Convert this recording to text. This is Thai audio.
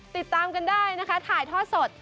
ติดตามกันได้นะคะถ่ายทอดสด